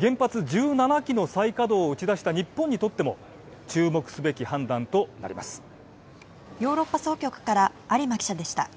原発１７基の再稼働を打ち出した日本にとってもヨーロッパ総局から有馬記者でした。